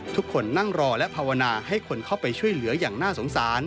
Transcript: ทุกคนนั่งรอและภาวนาให้คนเข้าไปช่วยเหลืออย่างน่าสงสาร